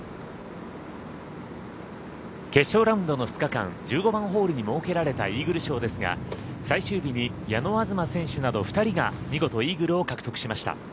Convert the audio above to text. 決勝ラウンドの２日間１５番ホールに設けられたイーグル賞ですが最終日に矢野東選手など２人が見事イーグルを獲得しました。